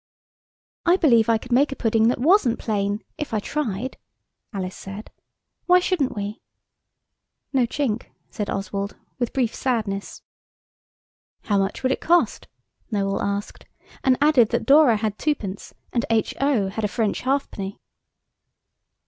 "I believe I could make a pudding that wasn't plain, if I tried," Alice said. "Why shouldn't we?" "No chink," said Oswald, with brief sadness. "How much would it cost?" Noël asked, and added that Dora had twopence and H.O. had a French halfpenny.